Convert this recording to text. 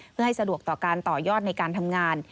ที่สะดวกต่อการต่อยอดในการทำงาน